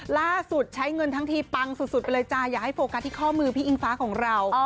ใช้เงินทั้งทีปังสุดไปเลยจ้าอย่าให้โฟกัสที่ข้อมือพี่อิงฟ้าของเรา